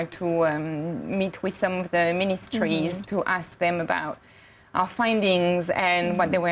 untuk bertemu dengan beberapa perusahaan untuk bertanya tentang pendapat kami